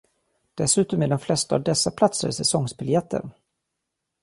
Dessutom är de flesta av dessa platser säsongbiljetter.